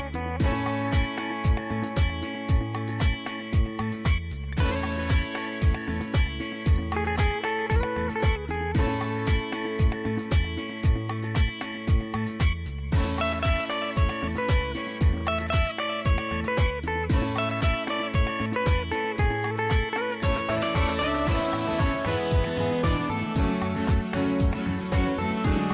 โปรดติดตามตอนต่อไป